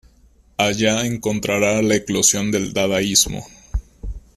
Allá encontrará la eclosión del Dadaísmo.